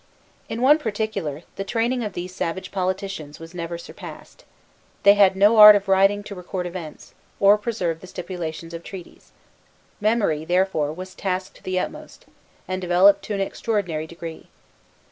In one particular, the training of these savage politicians was never surpassed. They had no art of writing to record events, or preserve the stipulations of treaties. Memory, therefore, was tasked to the utmost, and developed to an extraordinary degree.